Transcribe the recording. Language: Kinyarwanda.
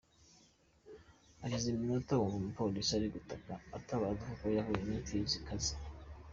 Hashize iminota yumva umupolisi ari gutaka atabaza kuko yahuye n’imfizi ikaze.